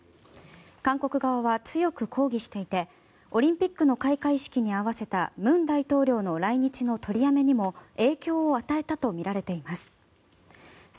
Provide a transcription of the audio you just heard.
韓国側は強く抗議していてオリンピックの開会式に合わせた文大統領の来日の取りやめにも影響を与えたとみられています。